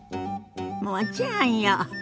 もちろんよ。